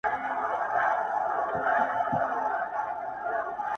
دا چي چي دواړې سترگي سرې؛ هغه چي بيا ياديږي؛